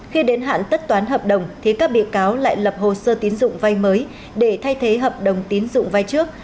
khi đến hạn tất toán hợp đồng thì các bị cáo lại lập hồ sơ tín dụng vay mới để thay thế hợp đồng tín dụng vay trước